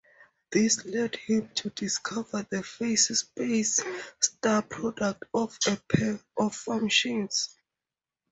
This led him to discover the phase-space star-product of a pair of functions.